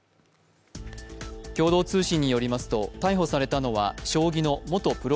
共同通信によりますと逮捕されたのは将棋の元プロ